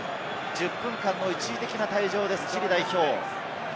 １０分間の一時的な退場です、チリ代表。